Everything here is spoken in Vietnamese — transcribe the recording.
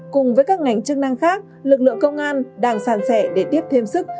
cùng với các ngành chức năng khác lực lượng công an đang sàn sẻ để tiếp thêm sức